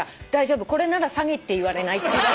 これなら詐欺って言われない」